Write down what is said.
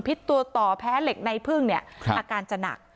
ตัวต่อแพ้เหล็กในพึ่งเนี่ยอาการจะหนัก